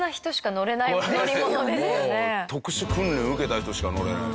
特殊訓練を受けた人しか乗れない。